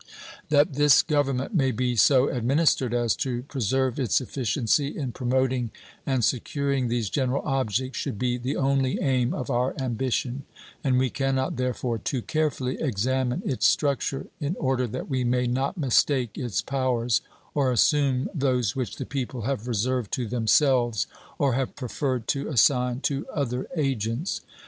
That this Government may be so administered as to preserve its efficiency in promoting and securing these general objects should be the only aim of our ambition, and we can not, therefore, too carefully examine its structure, in order that we may not mistake its powers or assume those which the people have reserved to themselves or have preferred to assign to other agents.